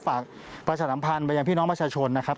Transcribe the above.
ฝากประชาสัมพันธ์ไปยังพี่น้องประชาชนนะครับ